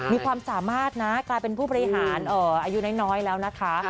มีความสามารถนะกลายเป็นผู้บริหารอายุน้อยแล้วนะคะ